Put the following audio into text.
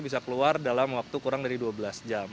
bisa keluar dalam waktu kurang dari dua belas jam